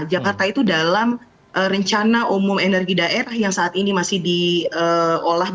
jakarta itu dalam rencana umum energi daerah yang saat ini masih diolah